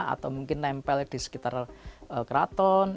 atau mungkin nempel di sekitar keraton